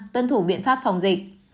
tân thủ biện pháp phòng dịch